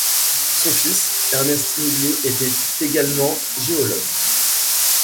Son fils Ernst Niggli était également géologue.